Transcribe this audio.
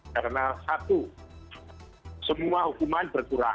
karena satu semua hukuman berkurang